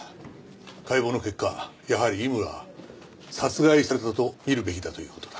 解剖の結果やはり井村は殺害されたと見るべきだという事だ。